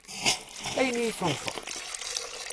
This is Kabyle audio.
Ayen i yi-tunfeḍ?